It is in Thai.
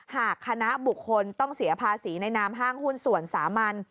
หากคณะบุคคลต้องเสียภาษีในนามห้างหุ้นส่วนสามัญ